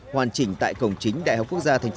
hoàn chỉnh tại tp hcm